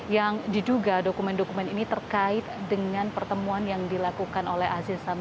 yang diduga dokumen dokumen ini terkait dengan pertemuan yang dilakukan oleh aziz